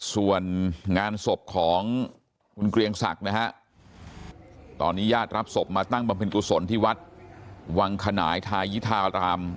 ส่วนงานศพของคุณเกรียงศักดิ์นะฮะตอนนี้ญาติรับศพมาตั้งบำเพ็ญกุศลที่วัดวังขนายทายิธาราม